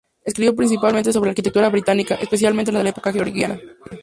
Escribió principalmente sobre la arquitectura británica, especialmente la de la Época georgiana.